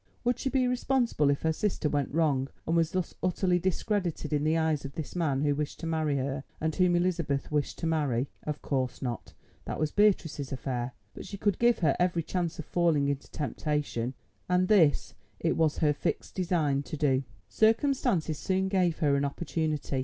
Would she be responsible if her sister went wrong, and was thus utterly discredited in the eyes of this man who wished to marry her, and whom Elizabeth wished to marry? Of course not; that was Beatrice's affair. But she could give her every chance of falling into temptation, and this it was her fixed design to do. Circumstances soon gave her an opportunity.